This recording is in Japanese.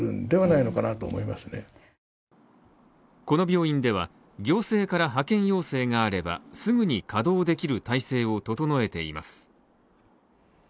この病院では、行政から派遣要請があればすぐに稼働できる体制を整えています。